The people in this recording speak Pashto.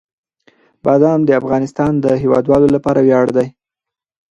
بادام د افغانستان د هیوادوالو لپاره ویاړ دی.